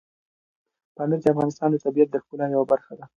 پامیر د افغانستان د طبیعت د ښکلا یوه برخه ده.